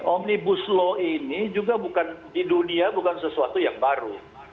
omnibus law ini juga bukan di dunia bukan sesuatu yang baru